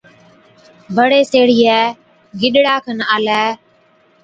بڙي سيهڙِيئَي گِڏرا کن آلَي،